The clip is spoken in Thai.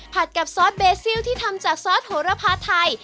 กับซอสเบซิลที่ทำจากซอสโหระพาไทย